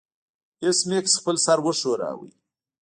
ایس میکس خپل سر وښوراوه